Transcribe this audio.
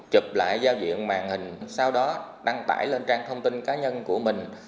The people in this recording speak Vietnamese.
chụp lại giao diện màn hình sau đó đăng tải lên trang thông tin cá nhân của mình